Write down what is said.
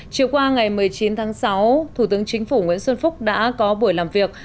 chiều qua ngày một mươi chín tháng sáu thủ tướng chính phủ nguyễn xuân phúc đã có buổi làm việc